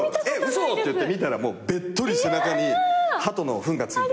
嘘！？って言って見たらべっとり背中にハトのフンがついてて。